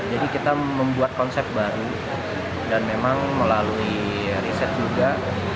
jadi kita membuat konsep baru dan memang melalui riset juga